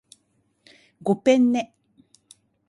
ごぺんね